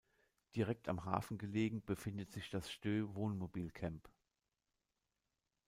Direkt am Hafen gelegen befindet sich das Stø-Wohnmobil-Camp.